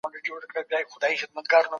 دا نيم کېلو نه دئ.